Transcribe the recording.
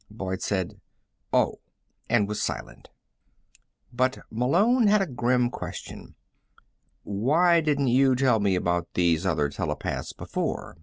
Boyd said: "Oh," and was silent. But Malone had a grim question. "Why didn't you tell me about these other telepaths before?"